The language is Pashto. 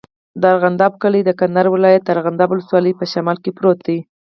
د ارغنداب کلی د کندهار ولایت، ارغنداب ولسوالي په شمال کې پروت دی.